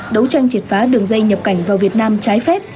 đấu tranh triệt phá đường dây nhập cảnh vào việt nam trái phép